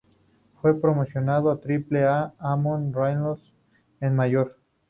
Fue promovido a Triple-A con Omaha Royals en mayo.